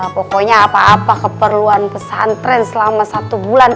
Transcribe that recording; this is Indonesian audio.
pokoknya apa apa keperluan pesantren selama satu bulan